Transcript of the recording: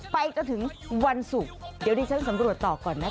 ไปจนถึงวันศุกร์เดี๋ยวดิฉันสำรวจต่อก่อนนะ